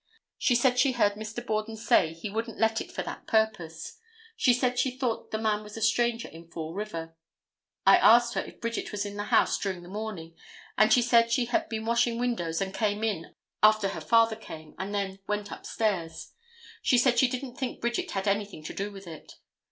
She said she heard Mr. Borden say he wouldn't let it for that purpose. She said she thought the man was a stranger in Fall River. I asked her if Bridget was in the house during the morning, and she said she had been washing windows and came in after her father came and then went up stairs. She said she didn't think Bridget had anything to do with it.